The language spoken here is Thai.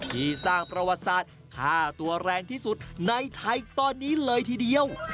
ที่สร้างประวัติศาสตร์ค่าตัวแรงที่สุดในไทยตอนนี้เลยทีเดียว